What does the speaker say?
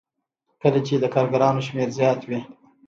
کله چې د کارګرانو شمېر زیات وي